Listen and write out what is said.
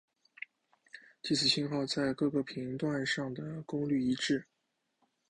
即此信号在各个频段上的功率一致。